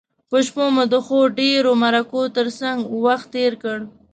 په شپه مو د ښو ډیرو مرکو تر څنګه وخت تیر کړ.